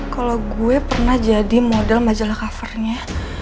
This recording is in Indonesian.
kalau gue pernah jadi model majalah covernya